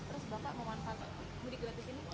terus bapak mau manfaat mudik gratis ini